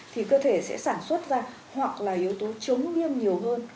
thì cơ thể sẽ sản xuất ra hoặc là yếu tố chống viêm nhiều hơn